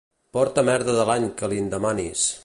Porta merda de l'any que li'n demanis.